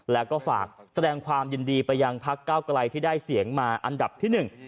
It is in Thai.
แล้วก็ฝากแสดงความยินดีไปยังพักเก้าไกลที่ได้เสียงมาอันดับที่หนึ่ง